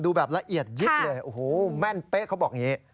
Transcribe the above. แบบละเอียดยิบเลยโอ้โหแม่นเป๊ะเขาบอกอย่างนี้